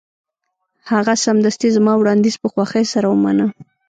هغه سمدستي زما وړاندیز په خوښۍ سره ومانه